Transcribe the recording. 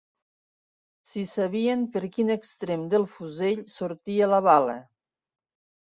Si sabien per quin extrem del fusell sortia la bala